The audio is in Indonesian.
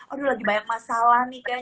aduh lagi banyak masalah nih kayaknya